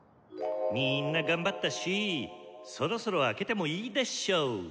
みんな頑張ったしそろそろ開けてもいいでしょう！